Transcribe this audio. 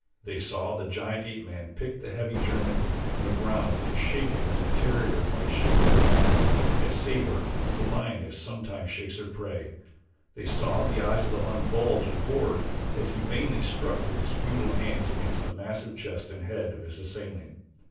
They saw the giant ape man pick the heavy German from the ground and shake him as a terrier might shake a rat as Sabor, the lioness, sometimes shakes her prey. They saw the eyes of the Hun bulge in horror as he vainly struck with his futile hands against the massive chest and head of his assailant.